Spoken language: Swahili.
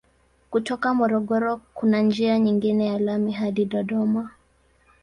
Kutoka Morogoro kuna njia nyingine ya lami hadi Dodoma.